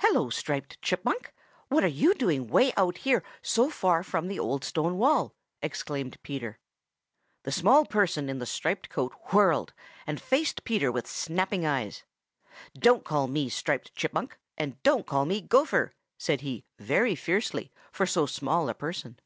"Hello, Striped Chipmunk! What are you doing way out here so far from the old stone wall?" exclaimed Peter. The small person in the striped coat whirled and faced Peter with snapping eyes. "Don't call me Striped Chipmunk, and don't call me Gopher!" said he very fiercely for so small a person.